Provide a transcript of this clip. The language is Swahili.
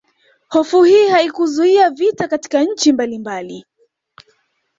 Hofu hii haikuzuia vita katika nchi mbalimbali